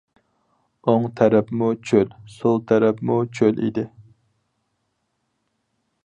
ئوڭ تەرەپمۇ چۆل، سول تەرەپمۇ چۆل ئىدى.